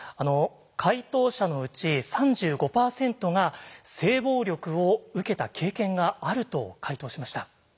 回答者のうち３５％が性暴力を受けた経験があると回答しました。